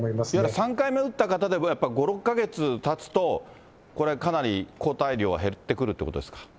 だから３回目打った方でもやっぱり５、６か月たつとかなり抗体量は減ってくるということですか。